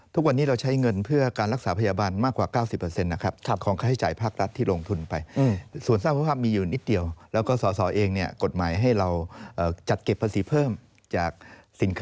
ทุกวันนี้เราใช้เงิน